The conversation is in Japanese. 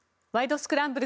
スクランブル」